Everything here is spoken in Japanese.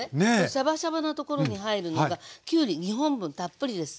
シャバシャバなところに入るのがきゅうり２本分たっぷりです。